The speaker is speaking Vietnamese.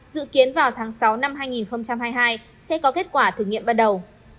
dự kiến vào tháng sáu năm hai nghìn hai mươi hai sẽ có kết quả thử nghiệm ban đầu